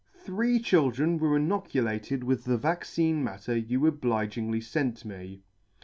Three children were inoculated with the vaccine matter you obligingly fent me.